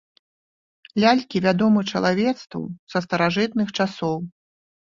Лялькі вядомы чалавецтву са старажытных часоў.